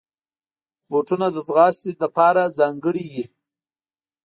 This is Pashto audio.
بوټونه د ځغاستې لپاره ځانګړي وي.